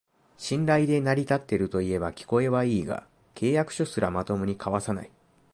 信頼で成り立ってるといえば聞こえはいいが、契約書すらまともに交わさない